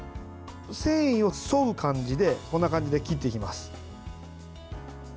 繊維に沿う感じでこんな感じで切っていきます。